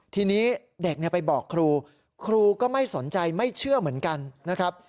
ทีนี้เด็กไปบอกครูครูก็ไม่สนใจไม่เชื่อเหมือนกันนะครับ